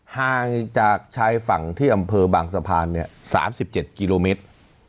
ห่างจากชายฝั่งที่อำเภอบางสะพาน๓๗กิโลเมตร